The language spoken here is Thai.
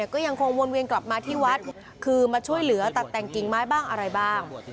ก็ยังคงวนเวียนกลับมาที่วัดคือมาช่วยเหลือตัดแต่งกิ่งไม้บ้างอะไรบ้าง